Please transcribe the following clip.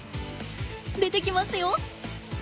出てきますよ。